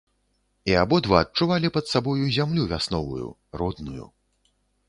І абодва адчувалі пад сабою зямлю вясновую, родную.